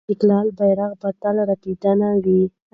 د استقلال بیرغ به تل رپاند وي.